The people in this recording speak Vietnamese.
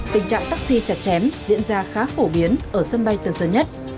tình trạng taxi chặt chém diễn ra khá phổ biến ở sân bay tân sơn nhất